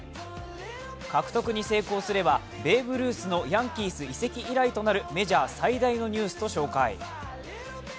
獲得に成功すればベーブ・ルースのヤンキース移籍以来となるメジャー最大のニュースと紹介。